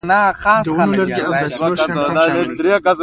د ونو لرګي او داسې نور شیان هم شامل دي.